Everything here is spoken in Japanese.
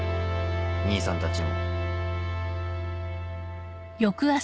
兄さんたちも。